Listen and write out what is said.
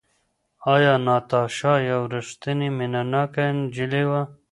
ایا ناتاشا یوه ریښتینې مینه ناکه نجلۍ وه؟